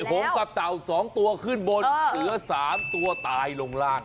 หงกับเต่า๒ตัวขึ้นบนเหลือ๓ตัวตายลงล่าง